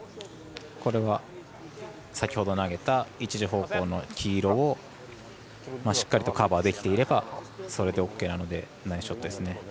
これは、先ほど投げた１時方向の黄色をしっかりとカバーできていればそれでＯＫなのでナイスショットですね。